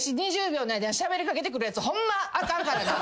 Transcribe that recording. ２０秒の間にしゃべりかけてくるやつホンマあかんからな。